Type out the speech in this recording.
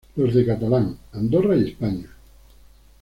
Los de catalán: Andorra y España.